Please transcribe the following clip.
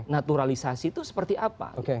naturalisasi itu seperti apa